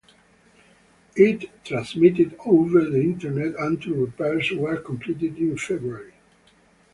It transmitted over the Internet until repairs were completed in February.